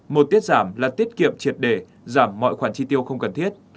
một tiết giảm là tiết kiệm triệt đề giảm mọi khoản chi tiêu không cần thiết